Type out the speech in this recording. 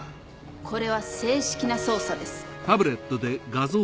これは正式な捜査です。